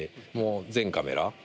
もう全カメラ。